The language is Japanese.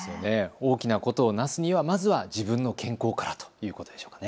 大きなことを成すにはまずは自分の健康からということでしょうかね。